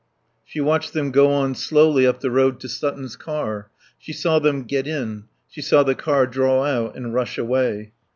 She watched them go on slowly up the road to Sutton's car; she saw them get in; she saw the car draw out and rush away.